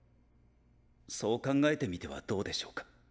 そう考えてみてはどうでしょうか？